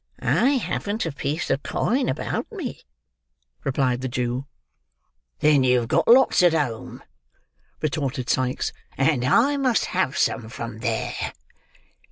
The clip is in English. "I haven't a piece of coin about me," replied the Jew. "Then you've got lots at home," retorted Sikes; "and I must have some from there."